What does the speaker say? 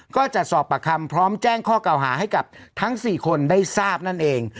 ก็จะสอบปากคำพร้อมแจ้งข้อเก่าหาให้กับทั้ง๔คนได้ทราบนั่นเอง